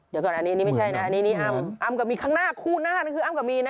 เดี๋ยวก่อนอันนี้ไม่ใช่นะอันนี้อัมอัมกับมีนครั้งหน้าคู่หน้านั้นคืออัมกับมีนนะ